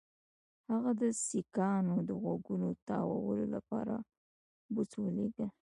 هغه د سیکهانو د غوږونو تاوولو لپاره پوځ ولېږه.